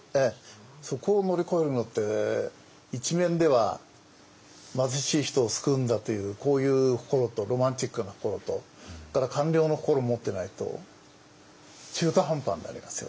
そこを乗り越えるのって一面では貧しい人を救うんだというこういう心とロマンチックな心とそれから官僚の心を持ってないと中途半端になりますよ。